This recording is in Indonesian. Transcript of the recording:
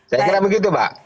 saya kira begitu pak